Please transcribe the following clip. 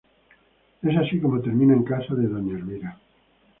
Es así como termina en casa de doña Elvira.